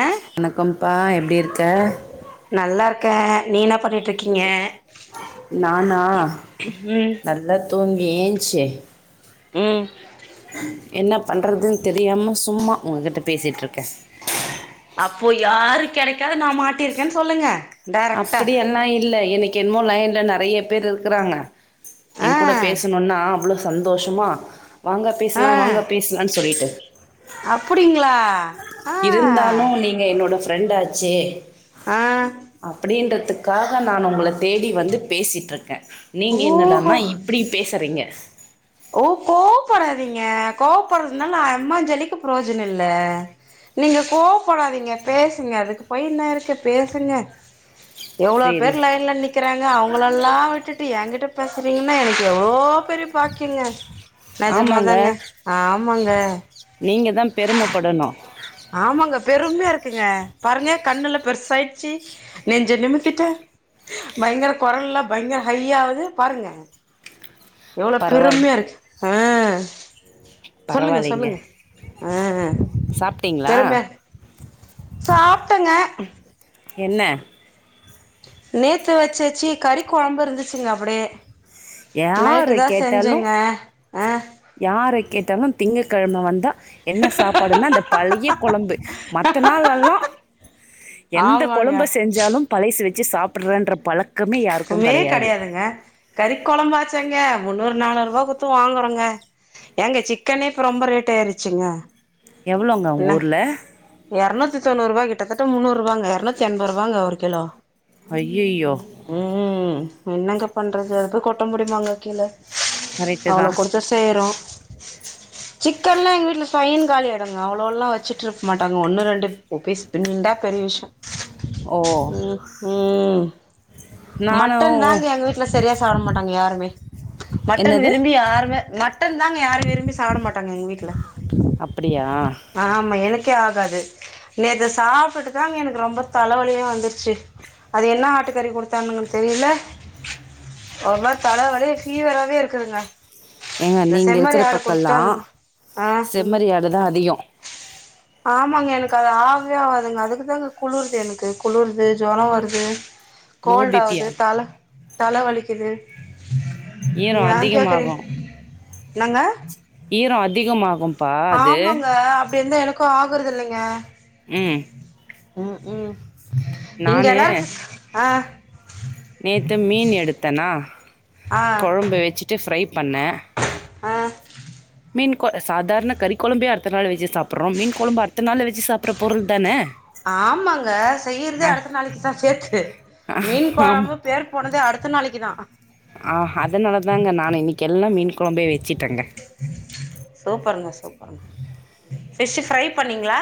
ஆ வணக்கம்ப்பா எப்டி இருக்க நல்லா இருக்க நீ ன்னா பண்ணிட்டுருக்கீங்க நானா ம் நல்லா தூங்கி ஏஞ்ச்சு ம் என்ன பண்றதுன் தெரியாம சும்மா உங்ககிட்ட பேசிட்ருக்கே அப்போ யாரு கெடைக்காது நா மாட்டிருக்கேன் சொல்லுங்க டைரக்டா அப்டியெல்லா இல்ல எனக்கு என்னமோ லைன்ல நெறைய பேர் இருக்குறாங்க ஆ எங்கூட பேசணுன்னா அவ்ளோ சந்தோஷமா வாங்க ஆ பேசலா வாங்க பேசலான் சொல்லிட்டு அப்டிங்களா ஆ இருந்தாலு நீங்க என்னோட ஃப்ரெண்டாச்சே ஆ அப்டின்றத்துக்காக நான் உங்கள தேடி வந்து பேசிட்ருக்க நீங்க என்ன ஓஹோ தானா இப்டி பேசறீங்க ஓ கோவப்படாதீங்க கோவப்பட்றதுனால அம்மாஞ்சல்லிக்கு புரோஜன இல்ல நீங்க கோவப்படாதீங்க பேசுங்க அதுக்கு போய் இன்ன இருக்கு பேசுங்க எவ்ளோ சேரி பேர் லைன்ல நிக்கிறாங்க அவ்ங்களலா விட்டுட்டு எங்கிட்ட பேசுறீங்னா எனக்கு எவ்ளோ பெரிய பாக்கியங்க நெஜமாதாங்க ஆமாங்க நீங்கதா பெருமப் படணு ஆமாங்க பெருமையா இருக்குங்க பாருங்க கண்ணுல பெருசாயிட்ச்சு நெஞ்ச நிமுத்திட்டு பயங்கர கொரல்லா பயங்கர ஹையாவுது பாருங்க எவ்ளோ பரவால்ல பெருமையாருக்கு ஆ சொல்லுங்க பரவாயில்லைங்க சொல்லுங்க ஆ சாப்ட்டீங்களா பெரும சாப்டங்க என்ன நேத்து வெச்ச சீ கறி கொழம்பு இருந்துச்சுங்க அப்டியே யார நைட்டுதா கேட்டாலு செஞ்சங்க அ யார கேட்டாலு திங்கக்கெழம வந்தா என்ன சாப்பாடுனா அந்த பழைய கொழம்பு மத்த நாள் எல்லா எந்த ஆமாங்க கொழம்ப செஞ்சாலு பழைசு வெச்சு சாப்புட்றன்ற பழக் கமே கெடையாதுங்க கறிக் கொழம்பாச்சேங்க முன்னூறு நாநூறுபா குடுத்து வாங்குறோங்க ஏங்க சிக்கனே இப்ப ரொம்ப ரேட் ஆயிருச்சுங்க எவ்வளோங்க உங்க என்ன ஊர்ல எரநூத்தி தொண்ணூறுபா கிட்டத்தட்ட முன்னூறுபாங்க எரநூத்தி எண்போரூவாங்க ஒரு கிலோ ஐயையோ ம் என்னங்க பண்றது அத போய் கொட்ட முடியுமாங்க கீழ கரெக்டு தா அவ்ளோ குடுத்த பேறோ [inaudible] சிக்கன்லா எங்க வீட்ல சொய்னு காலி ஆயிடுங்க அவ்ளோன்லா வெச்சுட்ருக்க மாட்டாங்க ஒன்னு ரெண்டு பீஸ் இருந்தா பெரிய விஷ்ய ஓ ம் ம் நானு மட்டன் தாங்க எங்க வீட்ல செரியா சாப்ட மாட்டாங்க யாருமே மட்டன் என்னது விரும்பி யாருமே மட் ட்டன் தாங்க யாரு விரும்பி சாப்ட மாட்டாங்க எங்க வீட்ல அப்டியா ஆமா எனக்கே ஆகாது நேத்து சாப்டுட்டு தாங்க எனக்கு ரொம்ப தலவலியா வந்துருச்சு அது என்னா ஆட்டுக்கறி குடுத் த்தாங்கனு தெரில ஒருமாரி தல வலி ஃபீவராவே இருக்குதுங்க ஏங்க இந்த நீங்க செம்மறி இருக்குற ஆடு பக்கல்லா குடுத்துட்டாங்க ஆ செம்மறி ஆடுதா அதிகோ ஆமாங்க எனக்கு அது ஆவே ஆவாதுங்க அதுக்கு தாங்க குளுருது எனக்கு குளுருது ஜொரோ வருது லோ பி பி கோல்டாவுது யா தல தல வலிக்கிது ஈரோ ஏ அதிகமாகு கேக்குறீங் என்னங்க ஈரோ அதிகமாகு ஆமாங்க அப்டி இருந்தா எனக்கு ஆகுறது இல்லைங்க ம் ம் ம் இங்க நானு எல்லாருக்கு ஆ நேத்து மீன் எடுத்தன்னா ஆ கொழம்பு வச்சுட்டு ஃப்ரை பண்ணே ஆ மீன் கொல சாதாரண கறி கொழம்பே அடுத்த நாள் வச்சு சாப்புர்றோ மீன் கொழம்பு அடுத்த நாள் வச்சு சாப்புர்ற பொருள் தான ஆமாங்க செய்யறதே அடுத்த நாளைக்கு தா சேத்து மீன் ஆமா கொழம்பு பேர் போனதே அடுத்த நாளைக்கு தா ஆ அதுனால தாங்க நானு இன்னைக்கு எல்லா மீன் கொழம்பே வச்சுட்டேங்க சூப்பர்ங்க சூப்பர் ஃபிஷ்ஷூ ஃப்ரை பண்ணீங்களா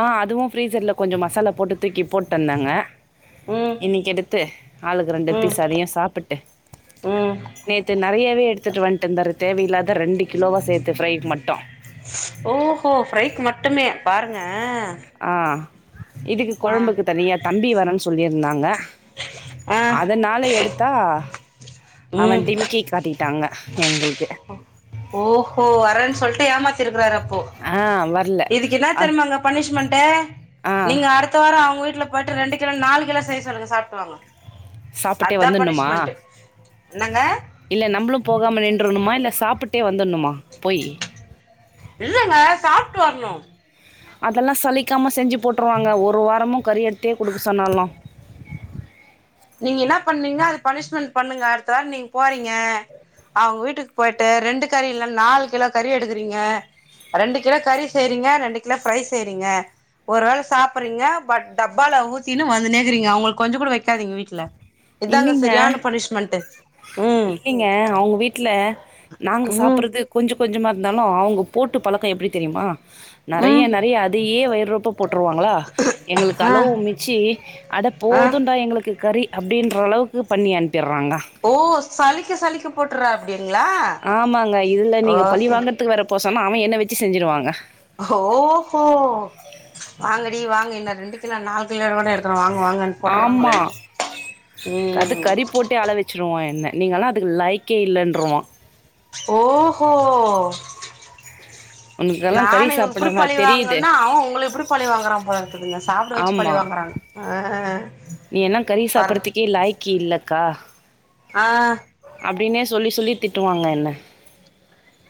ஆ அதுவு ஃப்ரீஸர்ல கொஞ்சோ மசாலா போட்டு தூக்கி போட்டு வந்தங்க ம் இன்னைக்கு எடுத்து ஆளுக்கு ரெண்டு ம் பீஸ் அதையு சாப்பிட்டு ம் நேத்து நறையவே எடுத்துட்டு வன்ட்டு இருந்தாரு தேவ இல்லாத த ரெண்டு கிலோவா சேத்து ஃப்ரைக்கு மட்டு ஓஹோ ஃபிரைக்கு மட்டுமே பாருங்க ஆ ஆ இதுக்கு கொழம்புக்கு தனியா தம்பி வரன் சொல்லிருந்தாங்க ஆ அதனால எடுத்தா அவே ம் டிம் க்கி காட்டிட்டாங்க எங்குளுக்கு ஓஹோ வரன் சொல்ட்டு ஏமாத்திருக்காரு அப்போ ஆ வர்ல இதுக்கு என்னா அ தெருமாங்க பனிஷ்மெண்ட்டு ஆ நீங்க அடுத் த்த வாரோ அவங்க வீட்ல போய்ட்டு ரெண்டு கிலோ நாலு கிலோ செய்ய சொல்லுங்க சாப்டுவாங்க சாப்புட்டே அதா வந்துட்ணுமா பனிஷ்மென்ட்டு என்னங்க இல்ல நம்ளு போகாம நின்றுணுமா இல்ல சாப்புட் ட்டே வந்துட்ணுமா போயி இல்லங்க சாப்ட்டு வரணு அதெல்லா சலிக்காம செஞ்சு போட்ருவாங்க ஒரு வாரமு கறி எடுத்தே குடுக்க சொன்னாலு நீங்க என்ன பண்ணீங்கனா அது பனிஷ்மெண்ட் பண்ணுங்க அடுத்த வாரோ நீங்க போறீங்க அவுங்க வீட்டுக்கு போயிட்டு ரெண்டு கறி இல்ல நாலு கிலோ கறி எடுக்குறீங்க ரெண்டு கிலோ கறி செய்றீங்க ரெண்டு கிலோ ஃபிரை செய்றீங்க ஒரு வேல சாப்புர்றீங்க பட் டப்பால ஊத்தினு வந்துனே இக்குறீங்க அவங்களுக்கு கொஞ்சோ கூட வைக்காதீங்க வீட்ல இதாங்க இல்லைங்க சரியான பனிஷ்மெண்ட்டு ம் இல்லைங்க அவுங்க வீட்ல நாங்க ம் சாப்புர்றது கொஞ்ச கொஞ்சமா இருந்தாலு அவுங்க போட்டு பழக்கோ எப்டி தெரியுமா நறைய ம் நறைய அதையே வயிரொப்ப போட்ருவாங்ளா எங்குளுக்கு ஆ அளவுமிச்சி அட ஆ போதுன்டா எங்குளுக்கு கறி அப்டின்ற அளவுக்கு பண்ணி அனுப்பிறாங்க ஓ சலிக்க சலிக்க போட்டுர்ற அப்டிங்களா ஓகே த்து வேற போசாம அவே என்ன வச்சு செஞ்சிருவாங்க ஹோ ஹோ வாங்கடி வாங்க இன்னு ரெண்டு கிலோ நாலு கிலோ கூட எடுத்துடு வாங்க வாங்கன் ஆமா போட்றாங்களனு ம் டே அழ வச்சிருவா என்ன நீங்களா அதுக்கு லாய்க்கே இல்லன்ட்ருவா ஓஹோ [unintelligible] கறி நானு இப்படி சாப்பிடவா பழி தெரியுது வாங்கன்னா அவன் உங்கள இப்படி பழி வாங்குறா போல இருக்குதுங்க சாப்பிட வச்சு பழி ஆமா வாங்குறா அ நீ என்னா கறி சாப்பறதுக்கே லாயக்கி இல்லக்கா ஆ அப்படினே சொல்லி சொல்லி திட்டுவாங்க என்ன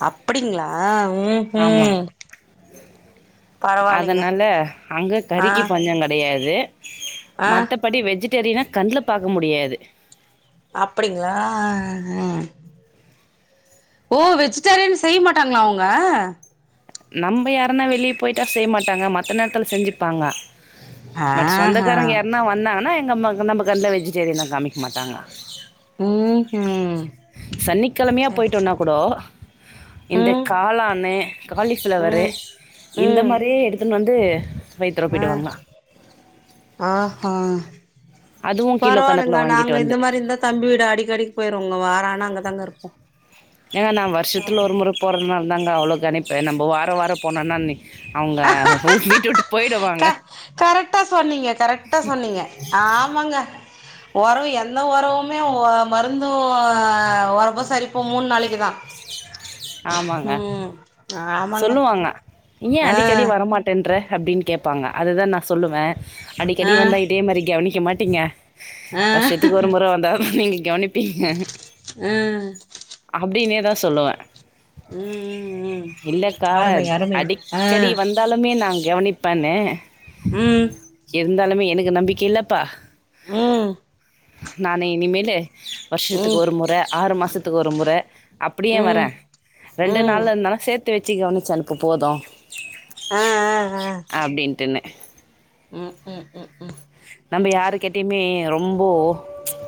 அப்படிங்ளா ம் ஆமாங்க ம் பரவாயில்லைங்க அதனால அங்க ஆ கறிக்கு பஞ்ச கெடையாது ஆ மத்தபடி வெஜிடேரியனா கண்ல பாக்க முடியாது அப்படிங்களா அஹ ஓ வெஜிடேரியன் செய்ய மாட்டாங்களா அவங்க நம்ப யாருனா வெளிய போய்ட்டா செய்ய மாட்டாங்க மத்த நேரத்துல செஞ்சுப்பாங்க பட் ஆஹா சொந்தக்காரங்க யார்னா யார் னா வந்தாங்கன்னா எங்க அம்மா நம்ம கண்ல வெஜிடேரியனோ காமிக்க மாட்டாங்க ம் ம் சனிக்கெழமையா போயிட்டோனா குடோ இந்த ம் காளானு காலிஃப்ளவரு ம் இந்த மாரியே எடுத்துனு வந்து அ வைத்தொலப்பிடுவாங்க ஆஹா அதுவு கிலோ பரவால்லங்க கணக்குல வாங்கிட்டு நாங்க இந்த வந்து மாரி இருந்தா தம்பி வீட அடிக் அடிக்கு போயிருவோங்க வார ஆனா அங்கதாங்க இருப்போ ஏங்க நா வருஷத்துல ஒரு முற போறிறதுதுனால தாங்க அவ்ளோ கணிப்பு நம்ப வாரோ வாரோ போனோனா நீ அவங்க வீட்ட விட்டு போயிடுவாங்க கரெட்டா சொன்னீங்க கரெட்டா சொன்னீங்க ஆமாங்க ஒறவு எந்த ஒறவுமே மருந்து உரப்ப சரிப்போ மூணு நாளைக்கு தா ஆமாங்க ம் ஆமாங்க சொல்லுவாங்க ஏ அடிக்கடி ஆ வரமாட் டன்ற அப்டின்னு கேப்பாங்க அதுதா நா சொல்லுவ அடிக்கடி ஆ வந்தா இதே மாரி கவனிக்க மாட்டிங்க ஆ வருஷத்துக்கு ஒரு மொற வந்தா தா நீங்க கவனிப் ஆ அப்படினே தா சொல்லுவ ம் ம் இல்லக்கா அருமை அருமை ஆ அடிக்கடி வந் ந்தாலுமே நா கவனிப்பனு ம் இருந்தாலுமே எனக்கு நம்பிக்க இல்லப்பா ம் நானு இனிமேலு வருஷத்துக்கு ம் ஒரு முற ஆறு மாசத்துக்கு ஒரு முறை அப்படியே வர ம் ரெண்டு ம் நாள்ல இருந்தாலு சேத்து வச்சு கவனிச்சு அனுப்பு போது ஆ ஆ ஆ அப்டின்ட்டுனு ம் ம் ம் ம் நம்ப யாருக்கிட்டயுமே ரொம்ப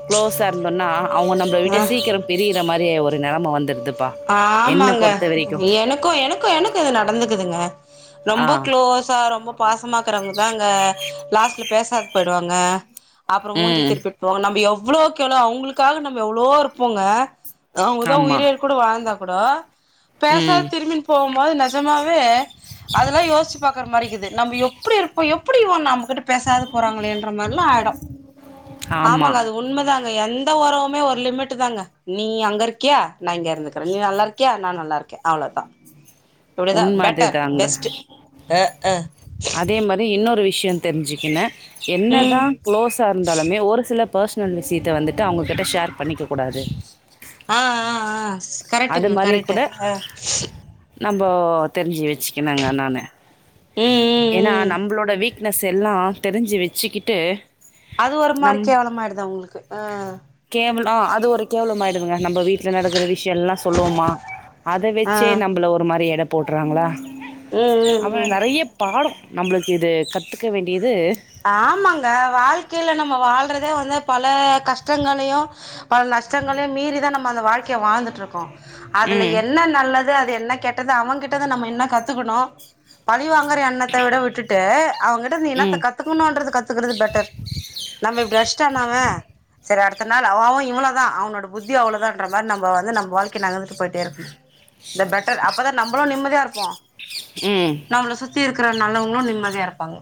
க்ளோஸா இருந்தோம்னா அவங்க நம்பள விட்டு ஆ சீக் கிரம் பிரியுற மாரியே ஒரு நெலம வந்துடுதுப்பா ஆமாங்க எனக்கு க்கு எனக்கு எனக்கு இது நடந்துக்குதுங்க ஆ ரொம்ப க்ளோஸா ரொம்ப பாசமாக்குறவங்க தா அங்க லாஸ்ட்ல பேசாது போயிடுவாங்க அப்புற மூஞ்ச ம் திருப்பி போ நம்போ எவ்ளோ கெளோ அவங்களுக்காக நம்ப எவ்ளவோ இருப்போங்க அவங்கதா ஆமா உயிரே கூட வாழ்ந்தா கூட பேசாத ம் திரும்பின் போம்போது நெஜமாவே அதல்லா யோசிச்சு பாக்கற மாரிக்குது நம்ப எ ப்பிடி இருப்போ எப்பிடி இவ நம்பகிட்ட பேசாத போறாங்களேன்ற மார்ல்லா ஆய்டு. ஆமா ஆமாங்க அது உண்மதாங்க எந்த ஒறவுமே ஒரு லிமிட்டு தாங்க. நீ அங்கருக்கியா நா இங்யே இருந்துக்கறே நீ நல்லார்க்யா நா நல்லார்க்கே அவ்ளோதா. இப்டிதா உண்ம பெட்டர் அதுதாங்க, பெஸ்ட் அ அ அதே மாரி இன்னொரு விஷ்யந் தெர்ஞ்சிக்கங்க ம் என்னதா க்ளோஸார்ந்தாலுமே ஒரு சில பஸ்னல் விஷித்த வந்துட்டு அவங்ககிட்ட ஷேர் பண்ணிக்க கூடாது. ஆ ஆ ஆ ஸ் கரெக்ட்டுங்க கரெக்ட்டு அ. நம்போ தெர்ஞ்சி வெச்சிகுணுங்க நானு. ம் ம் ஏனா ம் நம்ப்ளோட வீக்னஸ் எல்லா தெரிஞ்சி வெச்சிக்கிட்டு அது ஒரு மாரி கேவலமாய்டுது அவுங்குளுக்கு அ. கேவல் அ அது ஒரு கேவலம் ஆயிடுதுங்க நம்ம வீ ட்ல நடக்கற விஷ்யோ எல்லா சொல்லுவமா அத ஆ வெச்சே நம்பள ஒரு மாரி எட போட்றாங்களா. ம் ம் அவ ம் நறைய பாடோ நம்புளுக்கு இது கத்துக்க வேண்டியது ஆமங்க வாழ்க்கைல நம்ம வாழ்றதே வந்து பல கஷ்டங்களையு பல நஷ்டங்களையு மீறிதா நம்ம அந்த வாழ்க்கைய வாழ்ந்துட்ருக்கோ அதுல ம் என்ன நல்லது அது என்ன கெட்டது அவங்கிட்டந்து நம்ம என்ன கத்துக்குணு பழி வாங்கற எண்ணத்த விட விட்டுட் ட்டு அவங்கிட்டந்து நீ என்னாத்த ம் கத்துக்குணுன்றது கத்துக்குறது பெட்டர் நம்ம இப்டி அடிச்ட்டானா அவ செரி அடுத்தநாள் அவ அவ இவ்ளதா அவனோட புத்தி அவுளதான்ற மார் நம்ப வந்து நம்ப வாழ்க்கைய நகர்ந்துட்டு போயிட்டே இருக்குணு. இந்த பெட்டர் அப்பதா நம்புளு நிம்மதியா இருப்போ. ம். நம்மள சுத்தி இருக்கற நல்லவங்களு நிம்மதியா இருப்பாங்க.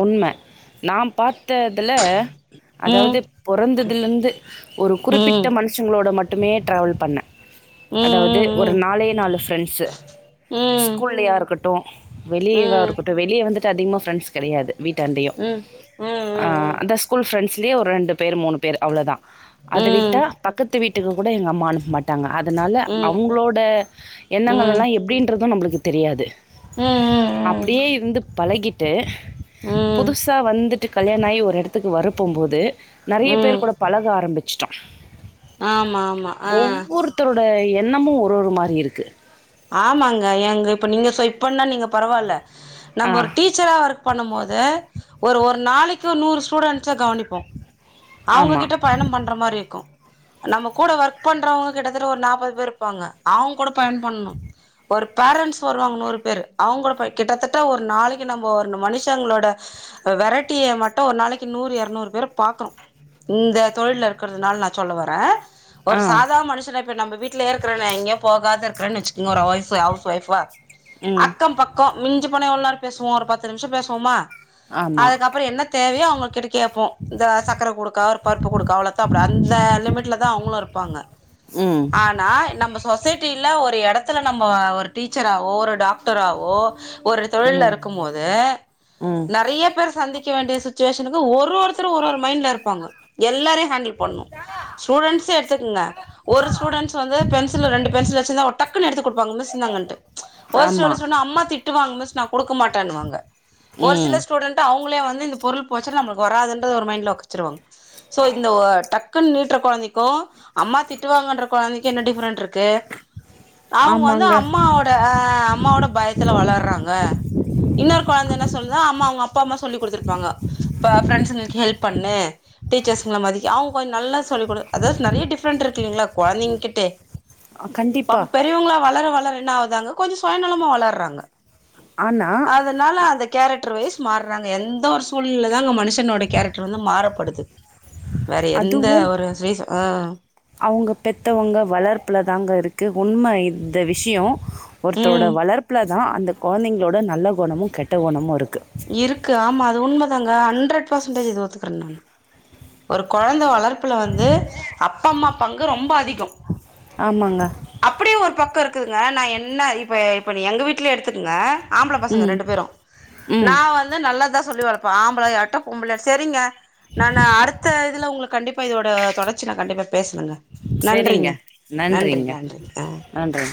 உண்ம நா பாத்த இதுல ம் அதாவது பொறந்ததுலிந்து ஒரு ம் குறிப்பிட்ட மனுஷங்ளோட மட்டுமே ட்ராவல் பண்ணே. ம் அதாவது ஒரு ம் நாலே நாலு ஃப்ரெண்ஸு, ம் ஸ்கூல்லயா இருக்கட்டு வெளியேவா ம் இருக்கட்டு வெளிய வந்துட்டு அதிகமா ஃப்ரெண்ஸ் கெடையாது வீட்டாண்டையு. ம் ம் ம் அ ம் அத்தா ஸ்கூல் ஃபிரெண்ஸ்லியு ஒர் ரெண்டு பேர் மூணு பேர் அவ்ளதா ம் அதவிட்டா ம் பக்கத்து வீட் டுக்குகூட எங்க அம்மா அனுப்மாட்டாங்க அதனால அவுங்ளோட எண்ணங்கள் எல்லா எப்டின்றது நம்புளுக்கு தெரியாது ம் அப்பிடியே இருந்து பழகிட்டு ம் ம் புதுஸ் சா வந்துட்டு கல்யாண ஆயி ஒரு எடத்துக்கு வரப்போம்போது நறைய பேர் ம் கூட பழக ஆரம்பிச் ட்டோ. ஆமா ஆமா அ. த்தரோட எண்ணமு ஒரு ஒரு மாரி இருக்கு. ஆமாங்க ஏங்க இப்ப நீங்க சொ இப்பன்னா நீங்க பரவால்ல நம்ப ஆ, ஒரு டீ ச்சரா ஒர்க் பண்ணம்மோது ஒரு ஒரு நாளைக்கு நூறு ஸ்டூடெண்ஸ கவனிப்போ. அவுங்க ஆமா. கிட்ட பயணம் பண்ற மாரி இக்கு. நம்ம கூட ஒர்க் பண்றவங்க கிட்டத்தட்ட ஒரு நாப்பது பேர் இப்பாங்க. அவுங்கூட பயன் பண்ணு. ஒரு பேரண்ஸ் வருவாங்க நூறு பேரு அவுங்கோட போய் கிட்டத்தட்ட ஒரு நாளைக்கு நம்போ ஒருன் மனுஷங்ளோட அ வெரட்டிய மட்டு ஒரு நாளைக்கு நூறு எரநூறு பேர பாக்குறோ. இந்த தொழில்ல இருக்கறதுனால் நா சொல்ல வரே. ஒரு ஆ, சாதா மனுஷன இப்ப நம்ப வீட்லியே இருக்கிறே நா எங்யு போகாத இருக்றன் இன்னோரு ஒய்ஃபு ஹவுஸ் ஒய்ஃபா ம், அக்கம்பக் கோ மிஞ்சி போனா எவ்ள் நேரோ பேசுவோ ஒரு பத்து நிம்ஷோ பேசுவமா? ஆ அதுக்கப்புறோ என்ன தேவையோ அவுங்ககிட்ட கேப்போ இந்த சக்கர குடுக்கா ஒரு பருப்பு குடுக்கா அவ்ள அவ்வளத் த்தாப்ற அந்த லிமிட்லதா அவுங்களு இருப்பாங்க ம் நா நம்ம சொசைட்டில ஒரு எடத்துல நம்ம ஒரு டீச்சராவோ ஒரு டாக்டராவோ ஒரு தொழில்ல ம், இருக்கும்போது ம், நெறயா பேர் சந்திக்க வேண்டிய சு சுட்சுவெஷனுக்கு ஒரு ஒருத்தர் ஒரு ஒரு மைண்ட்ல இருப்பாங்க எல்லாரயு ஹேண்டில் பண்னு ஸ்டூடென்ட்ஸ்சே எடுத்துக்ங்க ஒரு ஸ்டூடென்ட்ஸ் வந்து பென்சில ரெண்டு பென்சில் வெச்சிருந்தா டக் க்குனு எடுத்து குடுப்பாங்க மிஸ் இந்தாங்ன்டு ஒரு ஆமா. சில ஸ்டுடென்ட்ஸ் அம்மா திட்டுவாங்க மிஸ் நா குடுக்க மாட்டனுவாங்க ஒரு ம், சில ஸ்டூடெண்ட்டு அவுங்களே வந்து இந்த பொருள் போச்சுனா நம்மளுக்கு வராதுன்றத ஒரு மைண்ட்ல வெச்சிருவாங்க சோ இந்த ஒ டக் குனு நீட்டற கொழந்தைக்கு அம்மா திட்டு வாங்கன்ற கொழந்தைக்கு என்ன டிஃப்ரெண்ட் இருக்கு அவுங்க வந்து ஆமாங்க. அம்மாவோட அ அம்மாவோட பயத்துல வளர்றாங்க இன்னொரு கொழந்த என்ன சொல்லுதா அம்மா அவங்க அப்பா அம்மா சொல்லி குடுத்துருப்பாங்க ப ஃப்ரென்ட்ஸ்களுக்கு ஹெல்ப் பண்ணு டீச்சர்ஸ்ங்ள மதி அவுங் கொஞ்ச் நல்லா சொல்லி் குடு அதாவது நெறையா டிஃப்ரெண்ட் இருக்கு இல்லீங்ளா குழந்தைங்கிட்டே கண்டிப்பா பெரியவங்ளா வளர வளற என்ன ஆவுது அங்க கொஞ்சோ சுயநலமா வளர்றாங்க. ஆனா அதனால அந்த கேரக்டர் வைஸ் மாறுறாங்க எந்த ஒரு சூழ்நிலதாங்க மனுஷனோட கேரக்டர் வந்து மாறப்படுது. வேற எந்த ஒரு சுய ச ஆ அவுங்க பெத்தவங்க வளர்ப்புலதாங்க இருக்கு உண்ம இந்த விஷியோ ஒருத்தரோட ம் வளர்ப்புலதா அந்த கொழந்தைங்களோட நல்ல குணமு கெட்ட குணமு இருக்கு இருக்கு ஆமா அது உண்மதாங்க ஹண்ட்ரட் பெர்சன்டேஜ் இது ஒத்துக்கற நானு ஒரு கொழந்த வளர்ப்புல வந்து அப்பா அம்மா பங்கு ரொம்ப அதி ஆமாங்க அப்படியு ஒரு பக்கோ இருக்குதுங்க நா என்ன இப்போ இப்போ நீ எங்க வீட்லயே எடுத்துக்கங்க ஆம்பள பசங்க ம் ரெண்டு பேரு நா ம் வந்து நல்லதா சொல்லி வளப்ப ஆம்பளயாட்டு பொம்பள செரிங்க நா அடு த்த இதுல உங்களுக்கு கண்டிப்பா இதோட தொடர்ச்சி நா கண்டிப்பா பேசணுங்க சரிங்க நன்றிங்க நன்றி நன்றி ஆ நன்றி